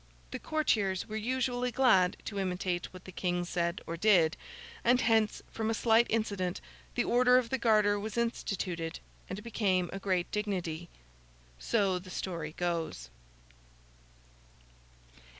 The courtiers were usually glad to imitate what the King said or did, and hence from a slight incident the Order of the Garter was instituted, and became a great dignity. So the story goes.